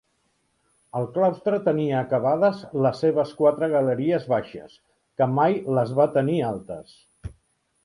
El claustre tenia acabades les seves quatre galeries baixes, que mai les va tenir altes.